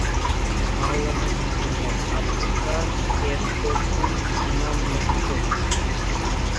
মাওলানা মুহাম্মদ আব্দুল্লাহ এর প্রথম ইমাম নিযুক্ত হন।